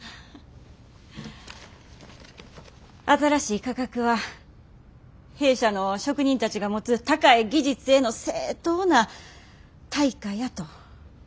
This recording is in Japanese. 新しい価格は弊社の職人たちが持つ高い技術への正当な対価やと思うております。